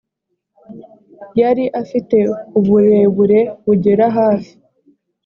yari afite uburebure bugera hafi